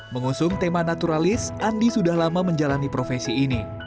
mengusung tema naturalis andi sudah lama menjalani profesi ini